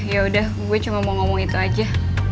yaudah gue cuma mau ngomong itu aja